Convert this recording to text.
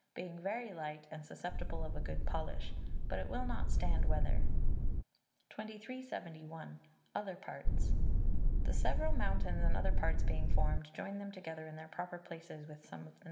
being very light, and susceptible of a good polish, but it will not stand weather. 2371. Other Parts. The several mountains and other parts being formed, join them together in their proper places with some of the No.